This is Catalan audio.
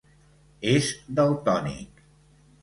És daltònic.